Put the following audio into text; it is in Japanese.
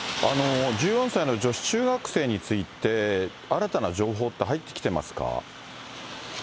１４歳の女子中学生について、新たな情報って入ってきてますか。